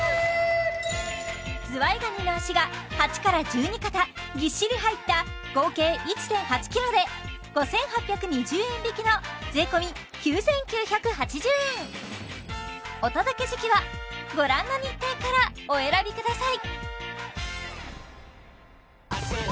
ズワイガニの脚が８１２肩ぎっしり入った合計１．８ｋｇで５８２０円引きの税込９９８０円お届け時期はご覧の日程からお選びください